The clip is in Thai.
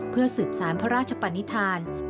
เพื่อสืบสารพระราชปัญญา